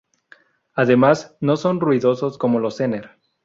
Además no son ruidosos, como los zener.